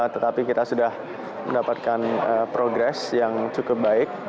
tetapi kita sudah mendapatkan progres yang cukup baik